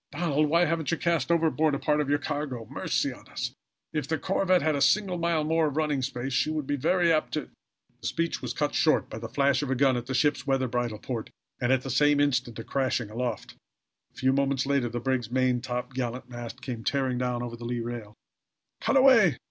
"Donald, why haven't you cast overboard a part of your cargo! Mercy on us! If the corvette had a single mile more of running space she would be very apt to " The speech was cut short by the flash of a gun at the ship's weather bridle port and at the same instant a crashing aloft. A few moments later the brig's main top gallant mast came tearing down over the lee rail. "Cut away!